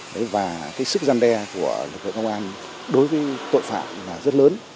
đấy và cái sức gian đe của lực lượng công an đối với tội phạm là rất lớn